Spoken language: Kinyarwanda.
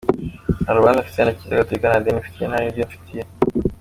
Nta rubanza mfitanye na Kiliziya gatolika : nta deni nyifitiye , nta n’iryo imfitiye.